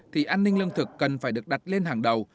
thì an ninh lương thực cần phải được đặt lên hàng đầu